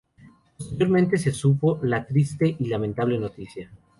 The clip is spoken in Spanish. Posteriormente se supo la triste y lamentable noticia.